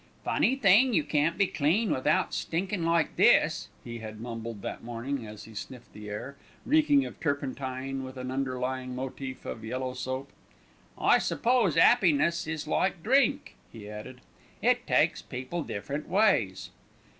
"Funny thing you can't be clean without stinkin' like this," he had mumbled that morning, as he sniffed the air, reeking of turpentine with an underlying motif of yellow soap. "I suppose 'appiness is like drink," he added, "it takes people different ways."